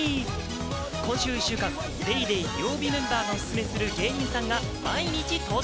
今週１週間『ＤａｙＤａｙ．』曜日メンバーがおすすめする芸人さんが毎日登場。